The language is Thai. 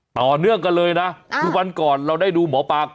ต่อเนื่องกันเลยนะคือวันก่อนเราได้ดูหมอปลา